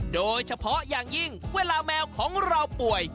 โดยเฉพาะอย่างยิ่งเวลาแมวของเราป่วย